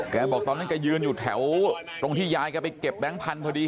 บอกตอนนั้นแกยืนอยู่แถวตรงที่ยายแกไปเก็บแบงค์พันธุ์พอดี